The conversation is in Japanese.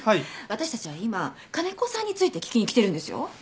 私たちは今金子さんについて聞きに来てるんですよ。